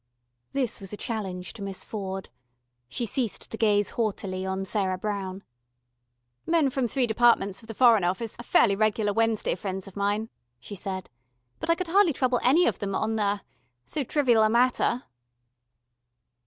This was a challenge to Miss Ford. She ceased to gaze haughtily on Sarah Brown. "Men from three departments of the Foreign Office are fairly regular Wednesday friends of mine," she said. "But I could hardly trouble any of them on er so trivial a matter."